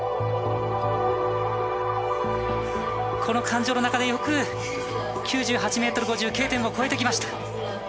この感情の中でよく９８ｍ５０Ｋ点を超えてきました。